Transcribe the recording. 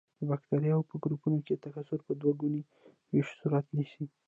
د بکټریاوو په ګروپونو کې تکثر په دوه ګوني ویش صورت نیسي.